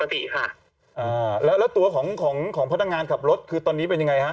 ค่ะอ่าแล้วแล้วตัวของของพนักงานขับรถคือตอนนี้เป็นยังไงฮะ